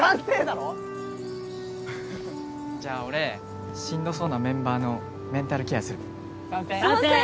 だろじゃあ俺しんどそうなメンバーのメンタルケアする賛成！